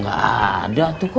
gak ada tuh kum